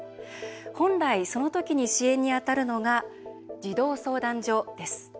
本来、その時に支援に当たるのが児童相談所です。